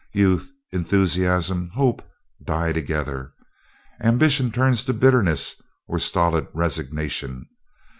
Youth, enthusiasm, hope, die together. Ambition turns to bitterness or stolid resignation.